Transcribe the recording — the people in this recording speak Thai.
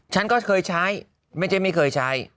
ฉันก็เคยใช้ไม่ใช่ไม่เคยใช้